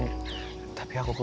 terus tadinya pingin aku buang